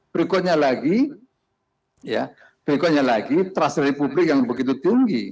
berikutnya lagi berikutnya lagi trust dari publik yang begitu tinggi